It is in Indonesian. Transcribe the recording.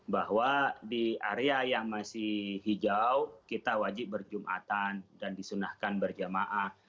bahwa di area yang masih hijau kita wajib berjumatan dan disunahkan berjamaah